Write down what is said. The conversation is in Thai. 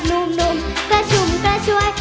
หนุ่มกระชุ่มกระชวย